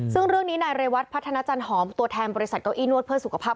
ซึ่งเรื่องนี้นายเรวัตพัฒนาจันหอมตัวแทนบริษัทเก้าอี้นวดเพื่อสุขภาพ